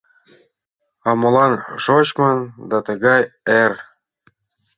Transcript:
А молан шочмын да тыгай эр?